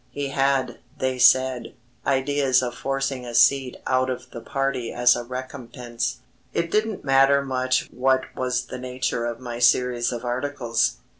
He had, they said, ideas of forcing a seat out of the party as a recompense. It didn't matter much what was the nature of my series of articles.